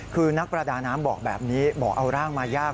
คือนักประดาน้ำบอกแบบนี้บอกเอาร่างมายาก